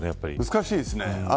難しいですね。